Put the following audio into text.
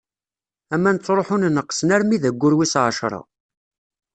Aman ttṛuḥun neqqsen armi d aggur wis ɛecṛa.